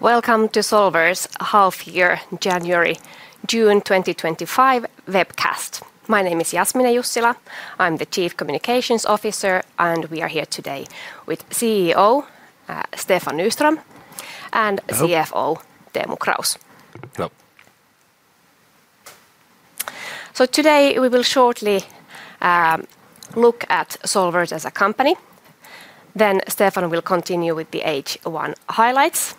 Welcome to Solwers Half-year January June 2025 Webcast. My name is Jasmine Jussila. I'm the Chief Communications Officer, and we are here today with CEO Stefan Nyström and CFO Teemu Kraus. Hello. Today we will shortly look at Solwers as a company. Stefan will continue with the H1 highlights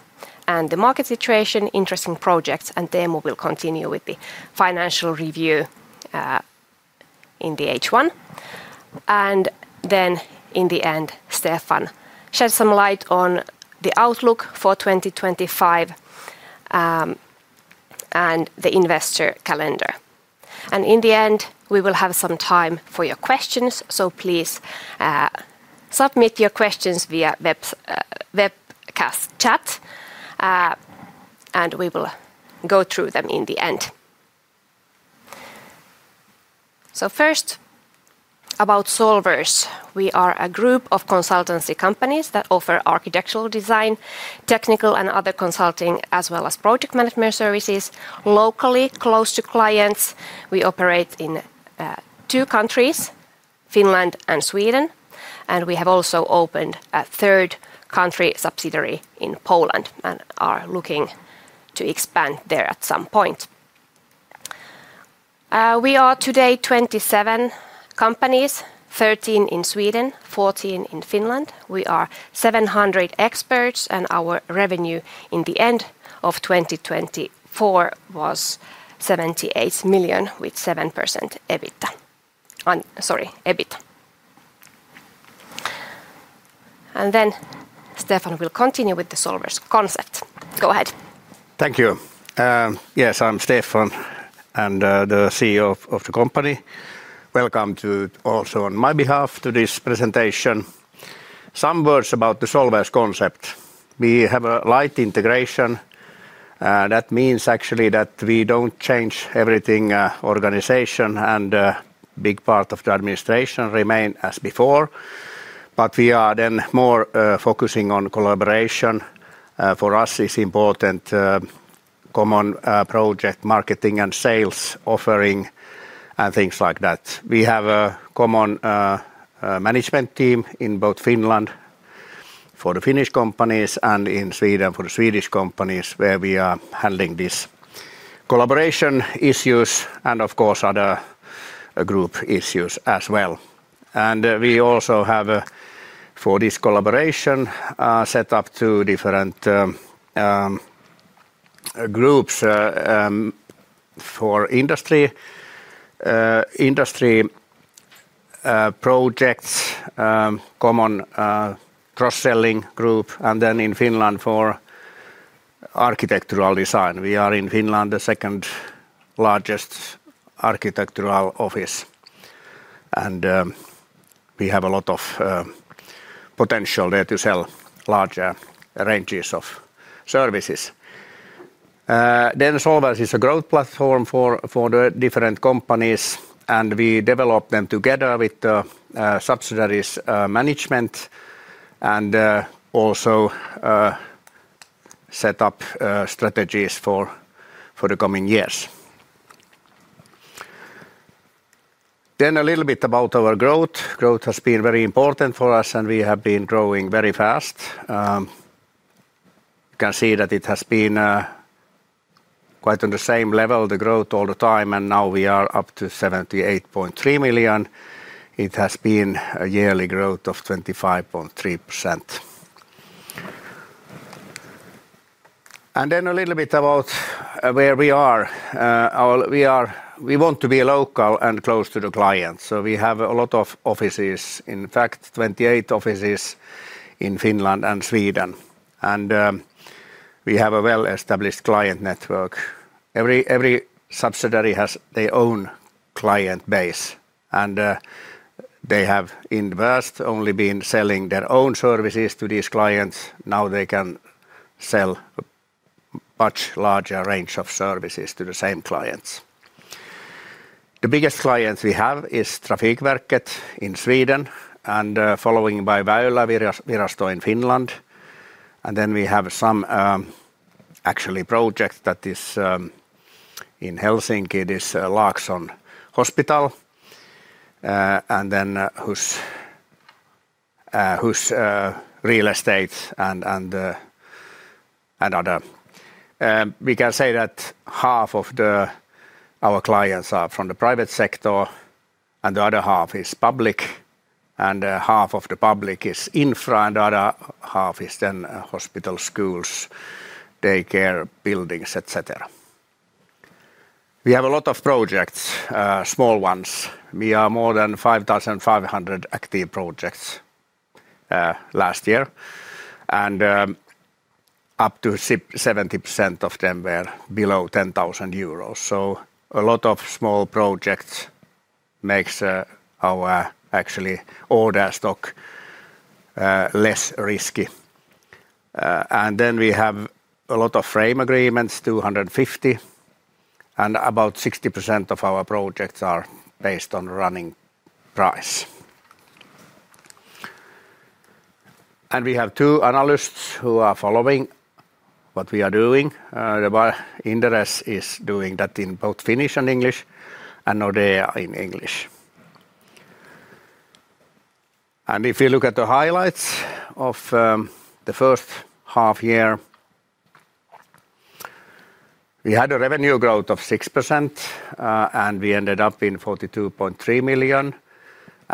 and the market situation, interesting projects, and Teemu will continue with the financial review in the H1. In the end, Stefan sheds some light on the outlook for 2025 and the investor calendar. We will have some time for your questions, so please submit your questions via webcast chat, and we will go through them in the end. First, about Solwers, we are a group of consultancy companies that offer architectural design, technical, and other consulting, as well as project management services, locally close to clients. We operate in two countries, Finland and Sweden, and we have also opened a third country subsidiary in Poland and are looking to expand there at some point. We are today 27 companies, 13 in Sweden, 14 in Finland. We are 700 experts, and our revenue at the end of 2024 was 78 million with 7% EBIT. Stefan will continue with the Solwers concept. Go ahead. Thank you. Yes, I'm Stefan, and the CEO of the company. Welcome also on my behalf to this presentation. Some words about the Solwers concept. We have a light integration. That means actually that we don't change everything in the organization, and a big part of the administration remains as before. We are more focusing on collaboration. For us, it's important: common project marketing and sales offering and things like that. We have a common management team in both Finland, for the Finnish companies, and in Sweden, for the Swedish companies, where we are handling these collaboration issues and, of course, other group issues as well. We also have, for this collaboration, set up two different groups for industry projects, a common cross-selling group, and then in Finland for architectural design. We are in Finland the second largest architectural office, and we have a lot of potential there to sell larger ranges of services. Solwers is a growth platform for the different companies, and we develop them together with the subsidiaries' management and also set up strategies for the coming years. A little bit about our growth. Growth has been very important for us, and we have been growing very fast. You can see that it has been quite on the same level, the growth all the time, and now we are up to 78.3 million. It has been a yearly growth of 25.3%. A little bit about where we are. We want to be local and close to the clients, so we have a lot of offices, in fact, 28 offices in Finland and Sweden. We have a well-established client network. Every subsidiary has their own client base, and they have in the past only been selling their own services to these clients. Now they can sell a much larger range of services to the same clients. The biggest clients we have are Trafikverket in Sweden and, following by Väylävirasto in Finland. We have some projects that are in Helsinki, this Laakso Hospital, and then HUS Real Estate and other. We can say that half of our clients are from the private sector, and the other half is public, and half of the public is infra, and the other half is then hospitals, schools, daycare, buildings, etc. We have a lot of projects, small ones. We are more than 5,500 active projects last year, and up to 70% of them were below 10,000 euros. A lot of small projects make our order stock less risky. We have a lot of frame agreements, 250, and about 60% of our projects are based on running price. We have two analysts who are following what we are doing. Inderes is doing that in both Finnish and English, and Nordea in English. If you look at the highlights of the first half year, we had a revenue growth of 6%, and we ended up at 42.3 million.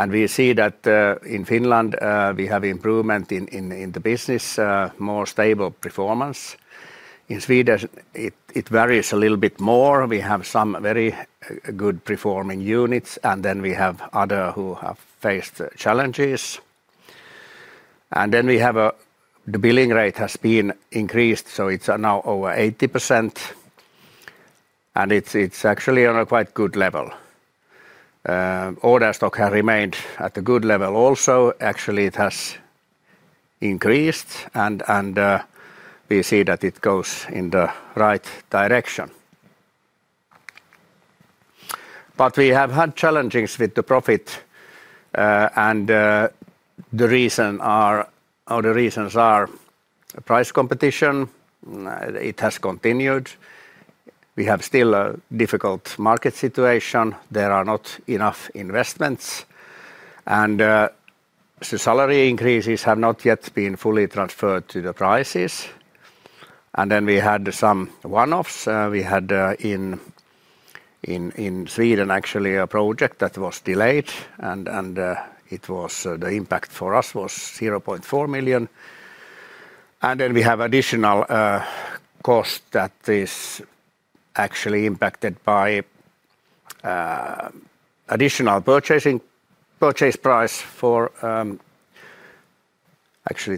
We see that in Finland, we have improvement in the business, more stable performance. In Sweden, it varies a little bit more. We have some very good performing units, and we have others who have faced challenges. The billing rate has been increased, so it's now over 80%, and it's actually on a quite good level. Order backlog has remained at a good level also. Actually, it has increased, and we see that it goes in the right direction. We have had challenges with the profit, and the reasons are price competition. It has continued. We still have a difficult market situation. There are not enough investments, and salary increases have not yet been fully transferred to the prices. We had some one-offs. In Sweden, actually, a project was delayed, and the impact for us was 0.4 million. We have additional cost that is actually impacted by additional purchase price for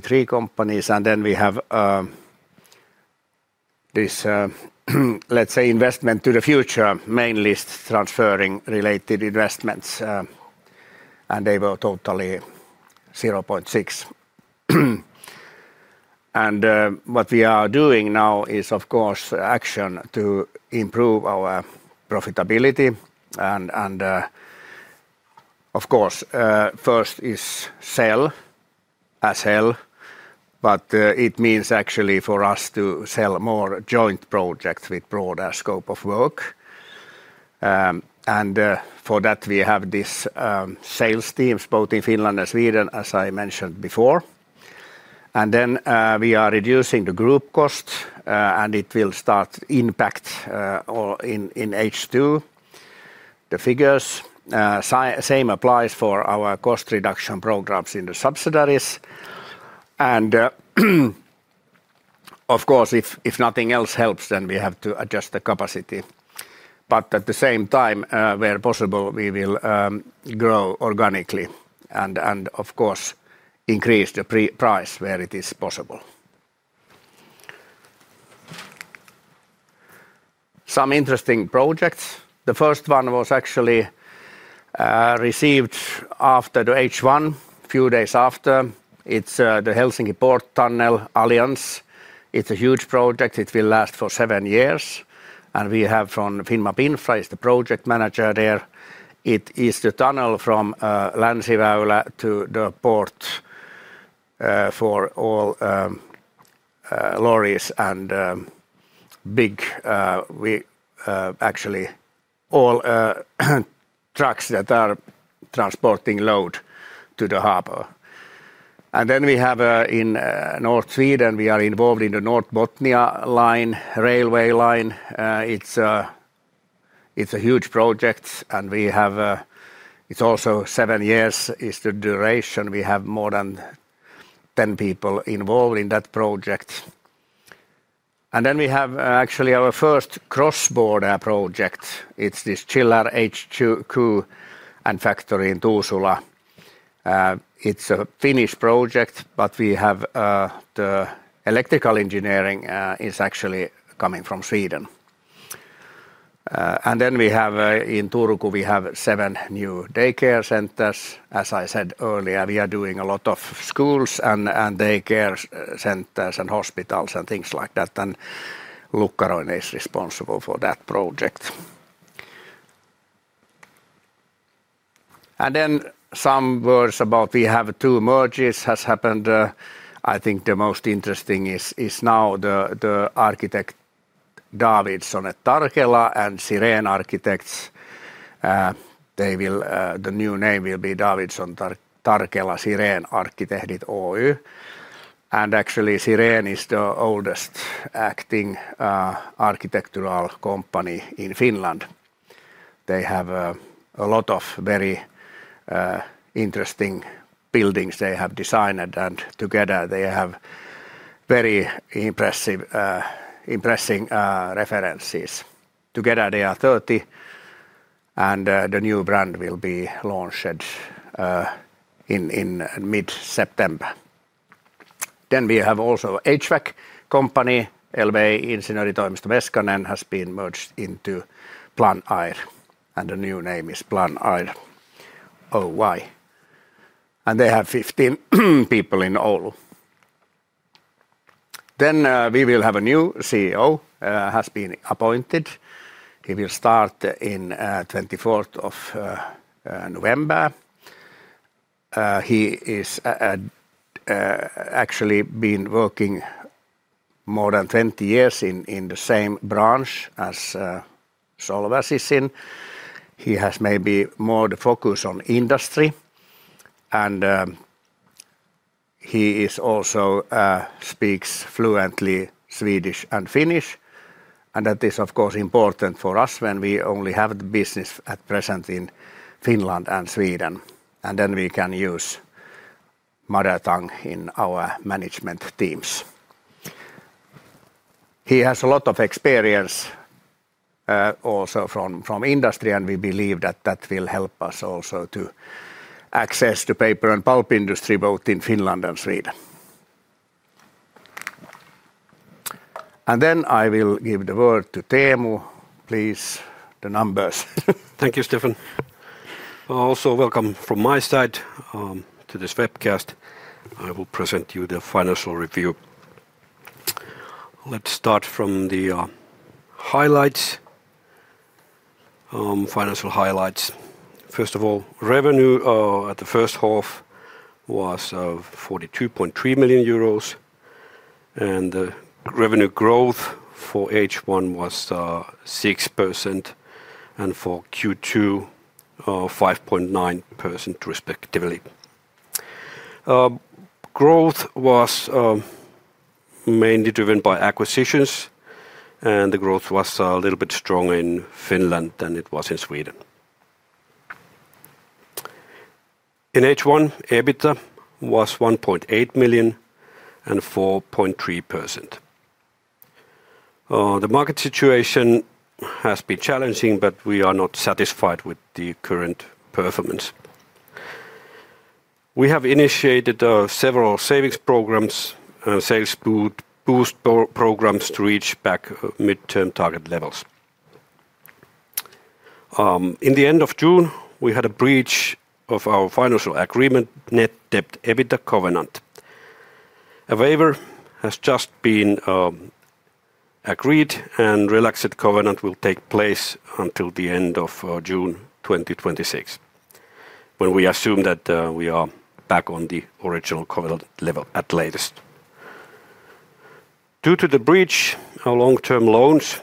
three companies. We have this, let's say, investment to the future, mainly transferring related investments, and they were totally 0.6 million. What we are doing now is, of course, action to improve our profitability. First is sell as hell, but it means actually for us to sell more joint projects with broader scope of work. For that, we have these sales teams, both in Finland and Sweden, as I mentioned before. We are reducing the group cost, and it will start to impact all in H2, the figures. Same applies for our cost reduction programs in the subsidiaries. If nothing else helps, then we have to adjust the capacity. At the same time, where possible, we will grow organically and, of course, increase the price where it is possible. Some interesting projects. The first one was actually received after the H1, a few days after. It's the Helsinki Port Tunnel Alliance. It's a huge project. It will last for seven years. We have from Finnmap Infra Oy, the project manager there. It is the tunnel from Länsiväylä to the port for all lorries and big, actually, all trucks that are transporting load to the harbor. We have in North Sweden, we are involved in the North Botnia Line railway line. It's a huge project, and it's also seven years is the duration. We have more than 10 people involved in that project. We have actually our first cross-border project. It's this Chillar H2Q factory in Tuusula. It's a Finnish project, but the electrical engineering is actually coming from Sweden. In Turku, we have seven new daycare centers. As I said earlier, we are doing a lot of schools and daycare centers and hospitals and things like that. Lukkaroinen Arkkitehdit Oy is responsible for that project. Some words about two mergers that have happened. I think the most interesting is now the architect Davidsson & Tarkela and Siren Arkkitehdit Oy. The new name will be Davidsson & Tarkela Siren Arkitekti Oy. Siren is the oldest acting architectural company in Finland. They have a lot of very interesting buildings they have designed, and together they have very impressing references. Together they are 30, and the new brand will be launched in mid-September. We have also HVAC company LVI Ingenjör i Torgmästar Västkanen, which has been merged into Plan Air Oy. The new name is Plan Air Oy. They have 15 people in Oulu. We will have a new CEO that has been appointed. He will start on the 24th of November. He has actually been working more than 20 years in the same branch as Solwers Oyj is in. He has maybe more focus on industry. He also speaks fluently Swedish and Finnish. That is, of course, important for us when we only have the business at present in Finland and Sweden. We can use mother tongue in our management teams. He has a lot of experience also from industry, and we believe that will help us also to access the paper and pulp industry both in Finland and Sweden. I will give the word to Teemu, please, the numbers. Thank you, Stefan. Also, welcome from my side to this webcast. I will present you the financial review. Let's start from the highlights. Financial highlights. First of all, revenue at the first half was 42.3 million euros, and the revenue growth for H1 was 6% and for Q2 5.9% respectively. Growth was mainly driven by acquisitions, and the growth was a little bit stronger in Finland than it was in Sweden. In H1, EBITDA was 1.8 million and 4.3%. The market situation has been challenging, but we are not satisfied with the current performance. We have initiated several savings programs and sales boost programs to reach back mid-term target levels. In the end of June, we had a breach of our financial agreement net debt/EBITDA covenant. A waiver has just been agreed, and relaxed covenant will take place until the end of June 2026, when we assume that we are back on the original covenant level at latest. Due to the breach, our long-term loans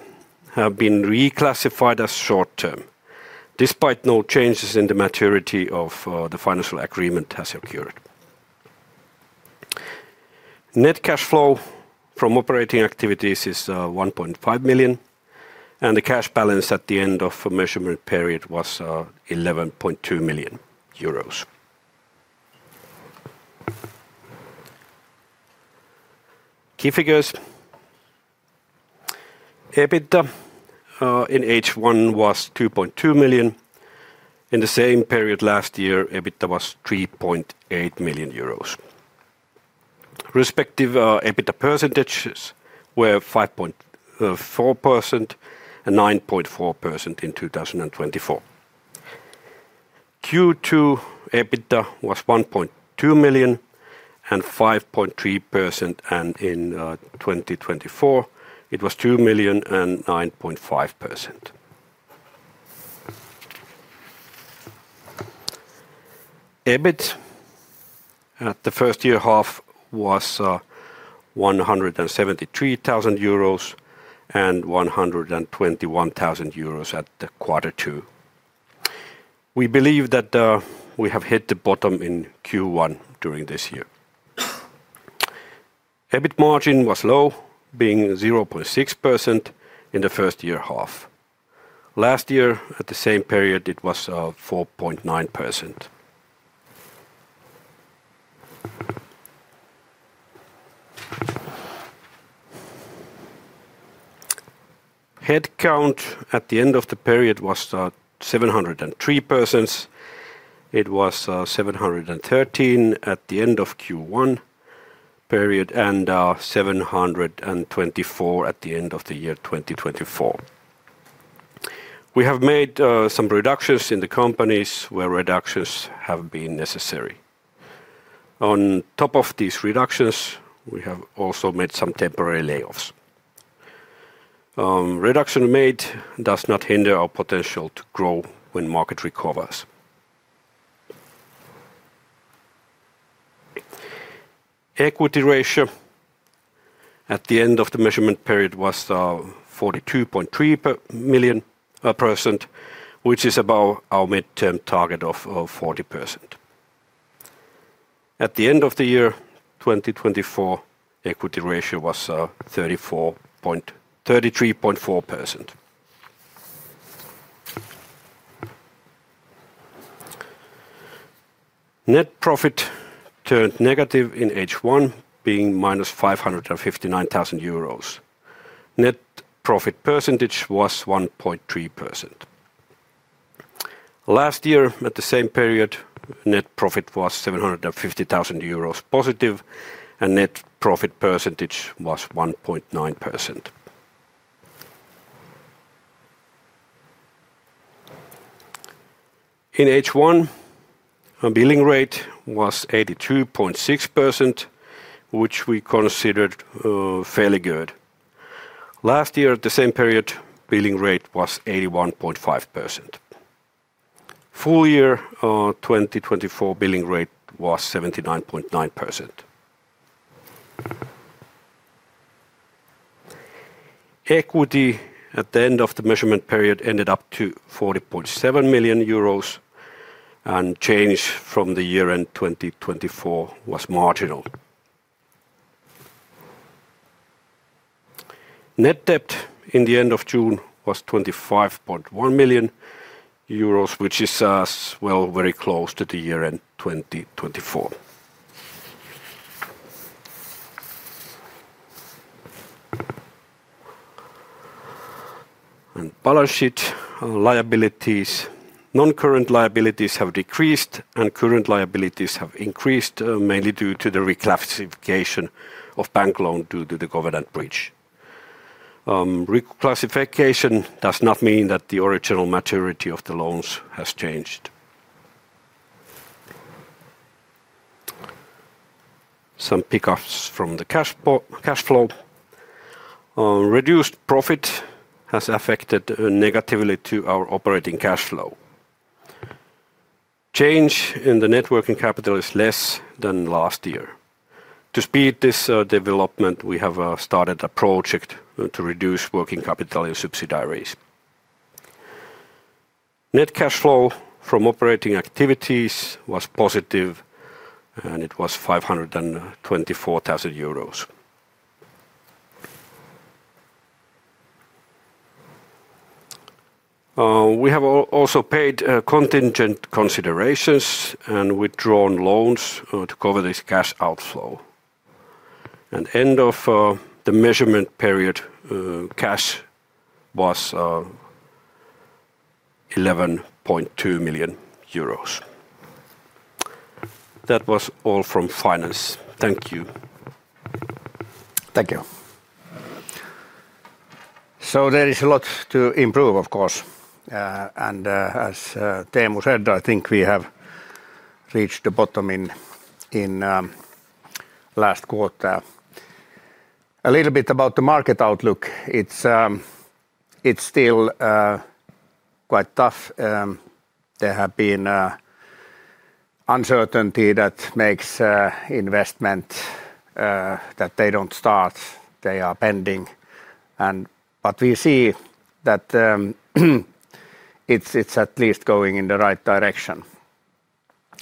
have been reclassified as short-term, despite no changes in the maturity of the financial agreement that has occurred. Net cash flow from operating activities is 1.5 million, and the cash balance at the end of the measurement period was 11.2 million euros. Key figures. EBITDA in H1 was 2.2 million. In the same period last year, EBITDA was EUR E 3.8 million. Respective EBITDA percentages were 5.4% and 9.4% in 2024. Q2 EBITDA was EUR EI1.2 million and 5.3%, and in 2024, it was 2 million and 9.5%. EBIT at the first year half was EUR EI173,000 and 121,000 euros at the quarter two. We believe that we have hit the bottom in Q1 during this year. EBIT margin was low, being 0.6% in the first year half. Last year, at the same period, it was 4.9%. Headcount at the end of the period was 703. It was 713 at the end of Q1 period and 724 at the end of the year 2024. We have made some reductions in the companies where reductions have been necessary. On top of these reductions, we have also made some temporary layoffs. Reduction made does not hinder our potential to grow when the market recovers. Equity ratio at the end of the measurement period was 42.3%, which is about our mid-term target of 40%. At the end of the year 2024, equity ratio was 33.4%. Net profit turned negative in H1, being -559,000 euros. Net profit percentage was -1.3%. Last year, at the same period, net profit was +750,000 euros, and net profit percentage was 1.9%. In H1, our billing rate was 82.6%, which we considered fairly good. Last year, at the same period, the billing rate was 81.5%. Full year 2024, billing rate was 79.9%. Equity at the end of the measurement period ended up to EUR EI40.7 million, and change from the year-end 2024 was marginal. Net debt in the end of June was 25.1 million euros, which is as well very close to the year-end 2024. Balance sheet liabilities. Non-current liabilities have decreased, and current liabilities have increased, mainly due to the reclassification of bank loans due to the covenant breach. Reclassification does not mean that the original maturity of the loans has changed. Some pickups from the cash flow. Reduced profit has affected negatively our operating cash flow. Change in the net working capital is less than last year. To speed this development, we have started a project to reduce working capital in subsidiaries. Net cash flow from operating activities was positive, and it was 524,000 euros. We have also paid contingent considerations and withdrawn loans to cover this cash outflow. At the end of the measurement period, cash was EUR 11.2 million. That was all from finance. Thank you. Thank you. There is a lot to improve, of course. As Teemu said, I think we have reached the bottom in last quarter. A little bit about the market outlook. It's still quite tough. There has been uncertainty that makes investment that they don't start. They are pending. We see that it's at least going in the right direction.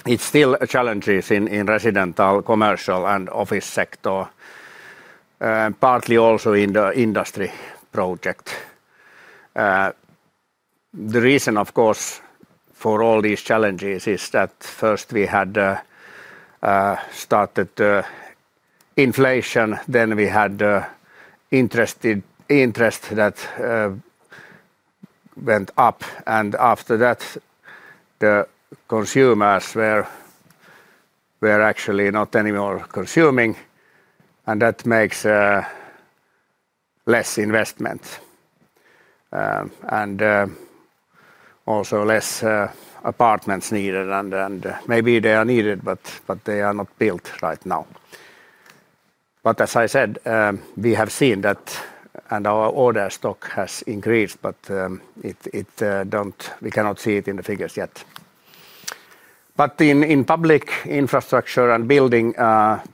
It's still challenging in residential, commercial, and office sector, and partly also in the industry project. The reason, of course, for all these challenges is that first we had started inflation, then we had interest that went up, and after that, the consumers were actually not anymore consuming, and that makes less investment. Also less apartments needed, and maybe they are needed, but they are not built right now. As I said, we have seen that our order stock has increased, but we cannot see it in the figures yet. In public infrastructure and building,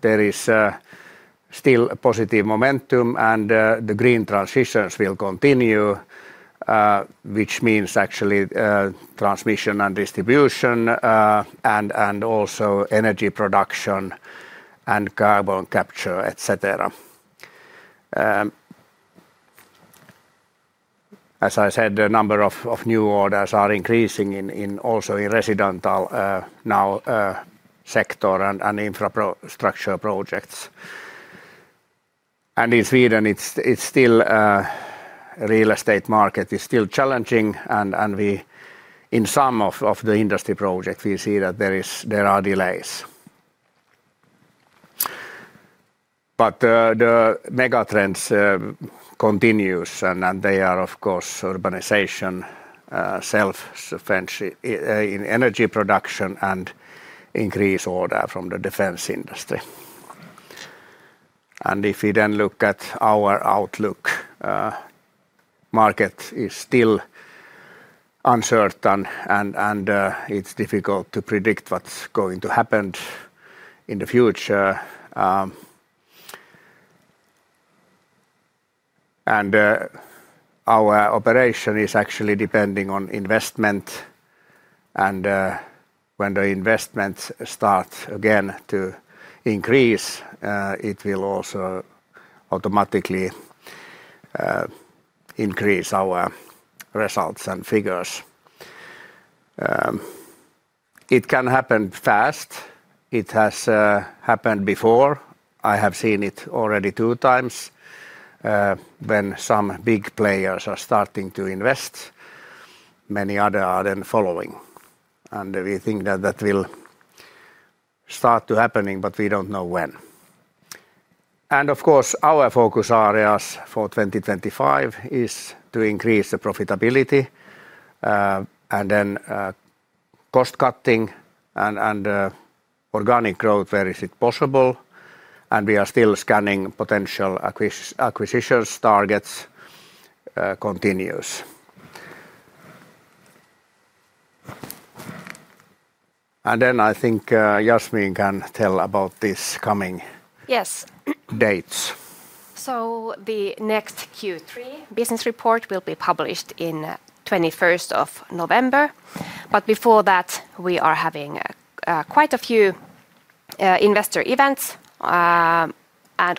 there is still a positive momentum, and the green transitions will continue, which means actually transmission and distribution, and also energy production and carbon capture, etc. As I said, the number of new orders are increasing also in residential now sector and infrastructure projects. In Sweden, the real estate market is still challenging, and in some of the industry projects, we see that there are delays. The megatrends continue, and they are, of course, urbanization, self-subvention in energy production, and increased order from the defense industry. If we then look at our outlook, the market is still uncertain, and it's difficult to predict what's going to happen in the future. Our operation is actually depending on investment, and when the investments start again to increase, it will also automatically increase our results and figures. It can happen fast. It has happened before. I have seen it already two times when some big players are starting to invest, many other are then following. We think that that will start to happen, but we don't know when. Of course, our focus areas for 2025 is to increase the profitability and then cost cutting and organic growth where it is possible. We are still scanning potential acquisition targets continues. I think Jasmine can tell about these coming dates. Yes. The next Q3 business report will be published on the 21st of November. Before that, we are having quite a few investor events.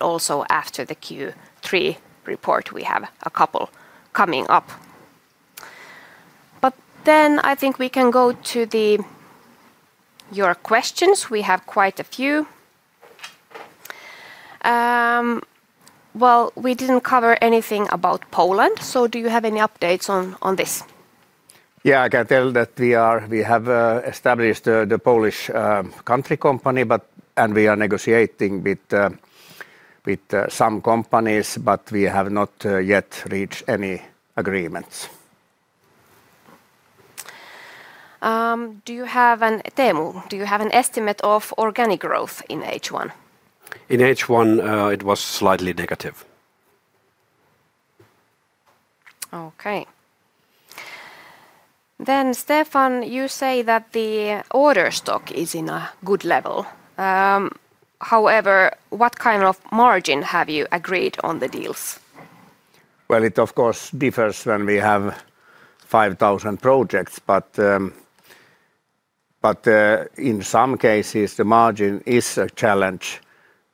Also, after the Q3 report, we have a couple coming up. I think we can go to your questions. We have quite a few. We didn't cover anything about Poland. Do you have any updates on this? Yeah, I can tell that we have established the Polish country company, and we are negotiating with some companies, but we have not yet reached any agreements. Do you have an estimate of organic growth in H1? In H1, it was slightly negative. Okay. Stefan, you say that the order stock is in a good level. However, what kind of margin have you agreed on the deals? Of course, it differs when we have 5,000 projects, but in some cases, the margin is a challenge.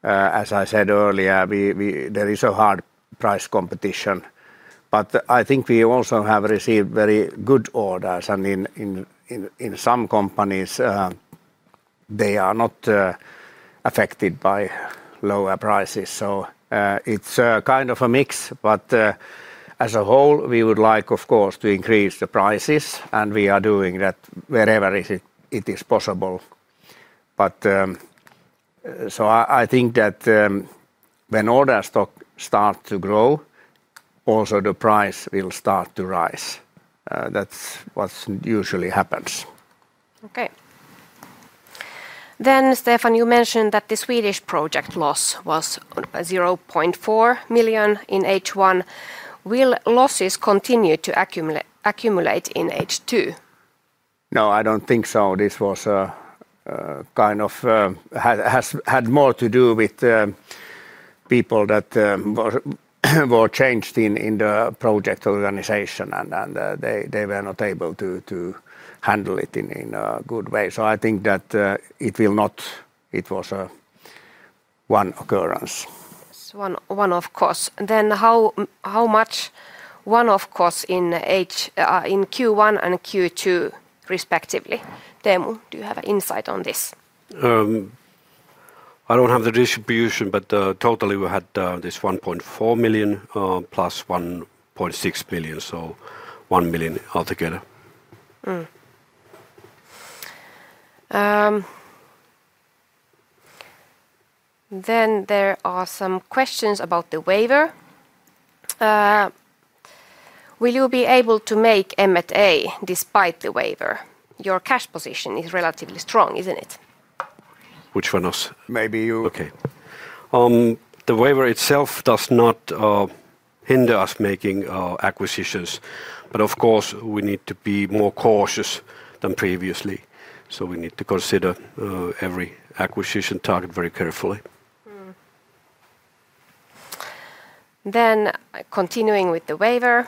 As I said earlier, there is a hard price competition. I think we also have received very good orders, and in some companies, they are not affected by lower prices. It's a kind of a mix, but as a whole, we would like, of course, to increase the prices, and we are doing that wherever it is possible. I think that when order stock starts to grow, also the price will start to rise. That's what usually happens. Okay. Stefan, you mentioned that the Swedish project loss was 0.4 million in H1. Will losses continue to accumulate in H2? No, I don't think so. This had more to do with people that were changed in the project organization, and they were not able to handle it in a good way. I think that it will not, it was a one occurrence. It's one-off cost. How much one-off cost in Q1 and Q2, respectively? Teemu, do you have an insight on this? I don't have the distribution, but totally we had this 1.4 million plus 1.6 million, so 1 million altogether. There are some questions about the waiver. Will you be able to make M&A despite the waiver? Your cash position is relatively strong, isn't it? Which one was? Maybe you. The waiver itself does not hinder us making acquisitions. Of course, we need to be more cautious than previously, so we need to consider every acquisition target very carefully. Continuing with the waiver,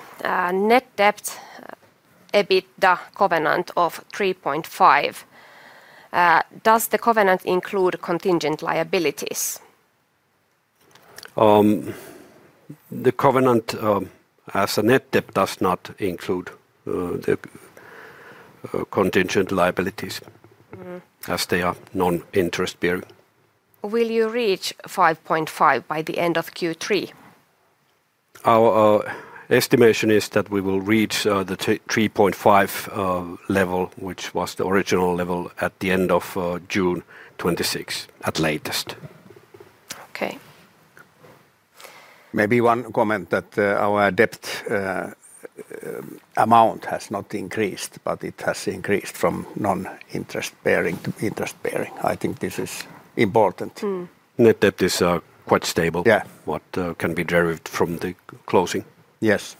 net debt/EBITDA covenant of 3.5. Does the covenant include contingent liabilities? The covenant as a net debt does not include the contingent liabilities, as they are non-interest-bearing. Will you reach 5.5 by the end of Q3? Our estimation is that we will reach the 3.5 level, which was the original level, at the end of June 2026 at latest. Okay. Maybe one comment that our debt amount has not increased, but it has increased from non-interest-bearing to interest-bearing. I think this is important. Net debt is quite stable. Yeah. What can be derived from the closing? Yes.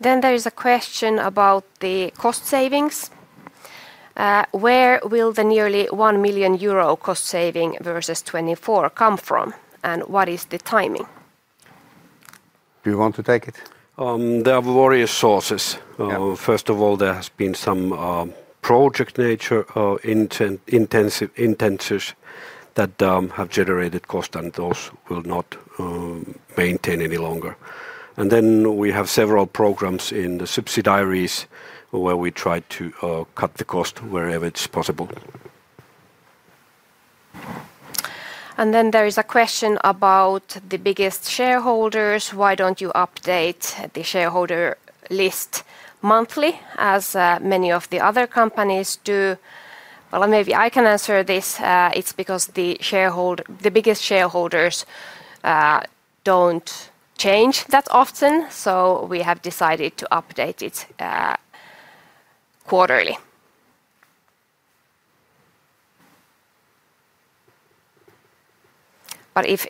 There is a question about the cost savings. Where will the nearly 1 million euro cost saving versus 2024 come from, and what is the timing? Do you want to take it? There are various sources. First of all, there has been some project nature intensives that have generated cost, and those will not maintain any longer. We have several programs in the subsidiaries where we try to cut the cost wherever it's possible. There is a question about the biggest shareholders. Why don't you update the shareholder list monthly as many of the other companies do? I can answer this. It's because the biggest shareholders don't change that often, so we have decided to update it quarterly.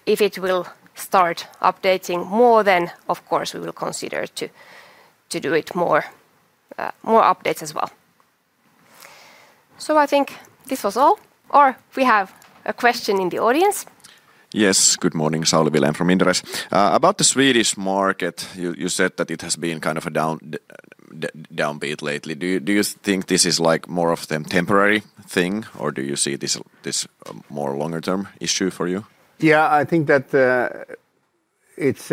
If it will start updating more, then of course, we will consider to do more updates as well. I think this was all. We have a question in the audience. Yes, good morning. Sauli Vilén from Inderes. About the Swedish market, you said that it has been kind of downbeat lately. Do you think this is more of a temporary thing, or do you see this as a more longer-term issue for you? Yeah, I think that it's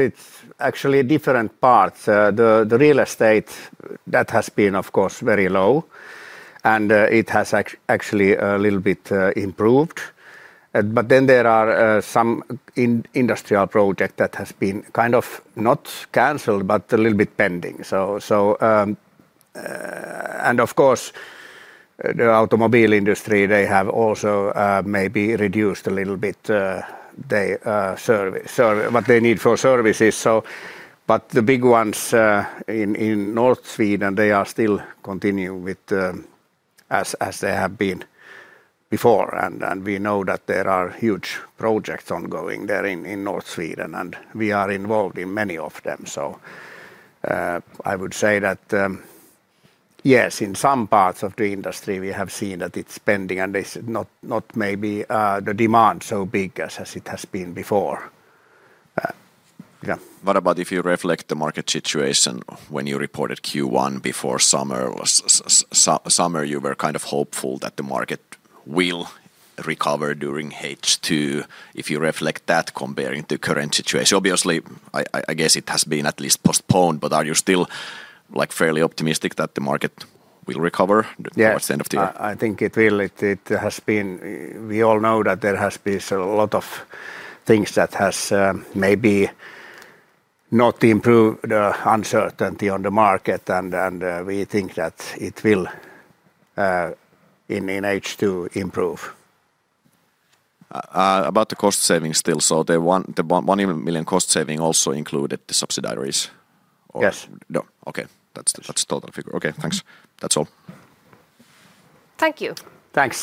actually different parts. The real estate that has been, of course, very low, and it has actually a little bit improved. There are some industrial projects that have been kind of not canceled, but a little bit pending. Of course, the automobile industry, they have also maybe reduced a little bit what they need for services. The big ones in North Sweden, they are still continuing as they have been before. We know that there are huge projects ongoing there in North Sweden, and we are involved in many of them. I would say that, yes, in some parts of the industry, we have seen that it's pending, and there's not maybe the demand so big as it has been before. What about if you reflect the market situation when you reported Q1 before summer? Summer, you were kind of hopeful that the market will recover during H2. If you reflect that comparing to the current situation, obviously, I guess it has been at least postponed, but are you still like fairly optimistic that the market will recover the % of the year? Yeah, I think it really has been. We all know that there has been a lot of things that have maybe not improved the uncertainty on the market, and we think that it will in H2 improve. About the cost savings still, does the $1 million cost savings also include the subsidiaries? Yes. Okay, that's the total figure. Okay, thanks. That's all. Thank you. Thanks.